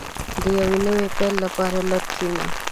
• د یو نوي پیل لپاره لږ کښېنه.